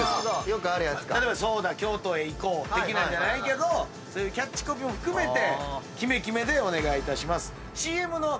例えば「そうだ京都、行こう。」的なのじゃないけどそういうキャッチコピーも含めてキメキメでお願いいたします。